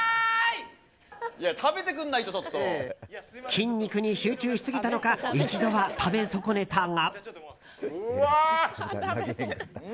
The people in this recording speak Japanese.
筋肉に集中しすぎたのか一度は食べ損ねたが。